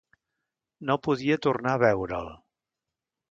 No podia tornar a veure'l.